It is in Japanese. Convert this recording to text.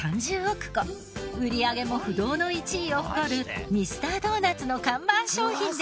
売り上げも不動の１位を誇るミスタードーナツの看板商品です。